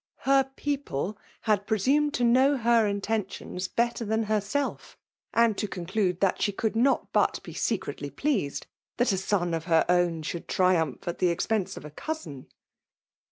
Hel* * people^ had pte soaoed to know her intentions better thanher ^ ssU^and to co^nelude that she could not buf be secretly pleased that a son of her own shoiddf triumph at the expense of a cousin.